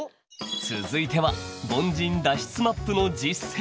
続いては「凡人脱出マップ」の実践。